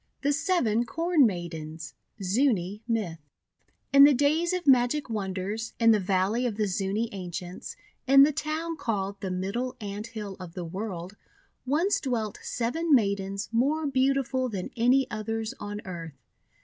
THE SEVEN CORN MAIDENS Zuni Myth IN the days of magic wonders, in the Valley of the Zuni Ancients, in the town called the Middle Ant Hill of the WTorld, once dwelt seven Maidens more beautiful than any others on earth.